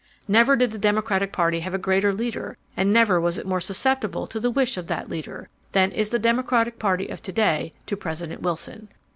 Never did the Democratic Party have a greater leader, and never was it more susceptible to the wish of that leader, than is the Democratic Party of to day to President Wilson.